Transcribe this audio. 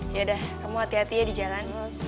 yaudah kamu hati hatinya di jalan